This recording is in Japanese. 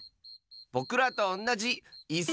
ぼくらとおんなじいす！